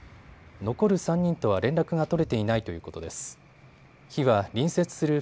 残る３人とは連絡が取れていないということです。